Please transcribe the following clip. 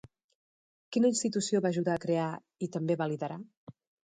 Quina institució va ajudar a crear i també va liderar?